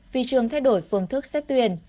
vì trường thay đổi phương thức xét tuyển